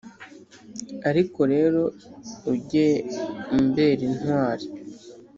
Ariko rero ujye umbera intwari